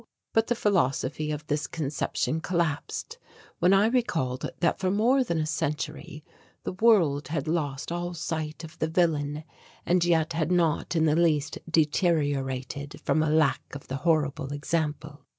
But the philosophy of this conception collapsed when I recalled that for more than a century the world had lost all sight of the villain and yet had not in the least deteriorated from a lack of the horrible example.